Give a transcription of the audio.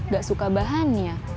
gak suka bahannya